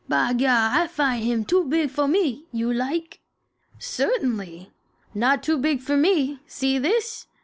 "By gar! I find him too big for me. You like?" "Certainly. Not too big for me. See this!"